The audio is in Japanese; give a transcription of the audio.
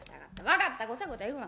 分かったごちゃごちゃ言うな。